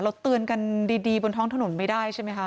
เตือนกันดีบนท้องถนนไม่ได้ใช่ไหมคะ